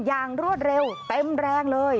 อย่างรวดเร็วเต็มแรงเลย